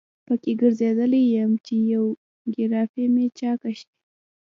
په کې ګرځیدلی یم چې بیوګرافي مې چاقه شي.